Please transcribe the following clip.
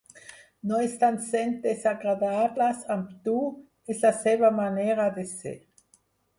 No estan sent desagradables amb tu, és la seva manera de ser.